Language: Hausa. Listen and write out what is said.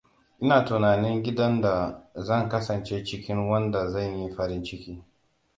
Ina tunanin gidan da zan kasance cikin wanda zanyi farin ciki.